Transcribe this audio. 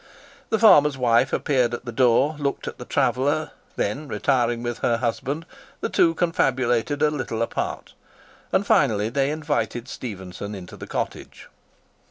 The farmer's wife appeared at the door, looked at the traveller, then retiring with her husband, the two confabulated a little apart, and finally they invited Stephenson into the cottage.